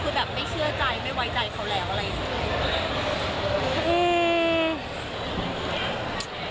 คือแบบไม่เชื่อใจไม่ไว้ใจเขาแล้วอะไรอย่างนี้